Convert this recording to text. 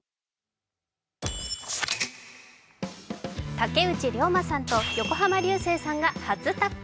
竹内涼真さんと横浜流星さんが初タッグ。